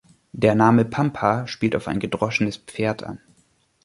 Der Name Pampa spielt auf ein gedroschenes Pferd an.